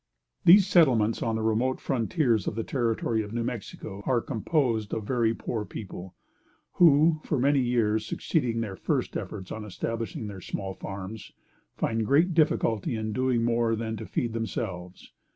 These settlements on the remote frontiers of the territory of New Mexico are composed of very poor people, who, for many years succeeding their first efforts on establishing their small farms, find great difficulty in doing more than to feed themselves.